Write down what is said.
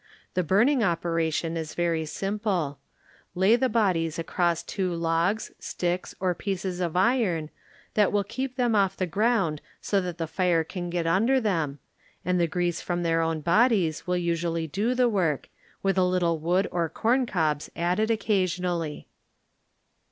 The burning operation is very simple. Lay the bodies across two logs, sticks or pieces of iron that will keep them up off the ground so that the fire can get under them, and the grease from their own bodies will usually do the work, with a little wood or corn cobs Ō¢Ādded occasionally.